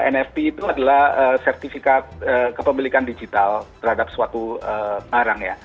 nft itu adalah sertifikat kepemilikan digital terhadap suatu barang ya